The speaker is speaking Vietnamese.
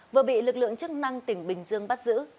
vừa bị lực lượng chức năng tỉnh bình dương bắt giữ